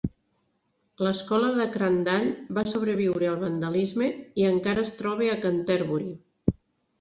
L'escola de Crandall va sobreviure al vandalisme i encara es troba a Canterbury.